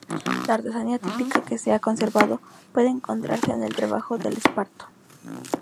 La artesanía típica que se ha conservado puede encontrarse en el trabajo del esparto.